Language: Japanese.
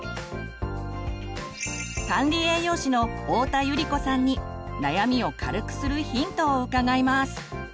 管理栄養士の太田百合子さんに悩みを軽くするヒントを伺います。